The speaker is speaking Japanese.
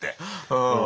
うん。